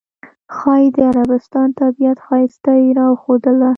ښایي د عربستان طبیعت ښایست یې راښودله.